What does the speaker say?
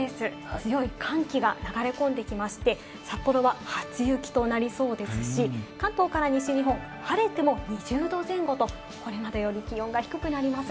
強い寒気が流れ込んできまして、札幌は初雪となりそうですし、関東から西日本は晴れても２０℃前後と、これまでより気温が低くなります。